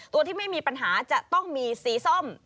ตัวที่ไม่มีปัญหาจะต้องมีสีส้ม